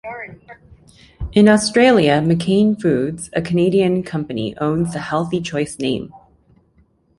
In Australia, McCain Foods, a Canadian company, owns the Healthy Choice name.